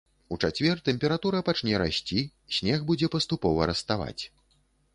У чацвер тэмпература пачне расці, снег будзе паступова раставаць.